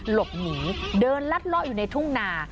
หลบหนีเดินลัดเลาะอยู่ในทุ่งนา